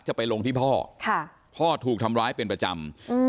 ตอนนั้นเขาก็เลยรีบวิ่งออกมาดูตอนนั้นเขาก็เลยรีบวิ่งออกมาดู